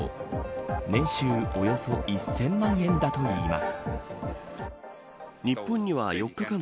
年収およそ１０００万円だといいます。